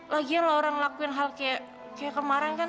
lagian laura ngelakuin hal kayak kemarin kan